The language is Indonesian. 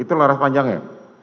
itu laras panjangnya